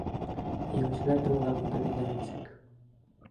Еңеүселәр йыл аҙағында билдәләнәсәк.